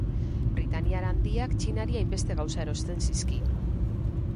Britaniar Handiak Txinari hainbeste gauza erosten zizkion.